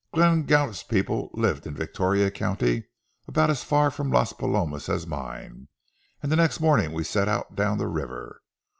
Glenn Gallup's people lived in Victoria County, about as far from Las Palomas as mine, and the next morning we set out down the river.